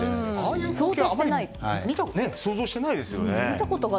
ああいう光景はあまり見たことがないですよね。